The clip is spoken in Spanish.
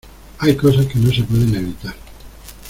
hay cosas que no se pueden evitar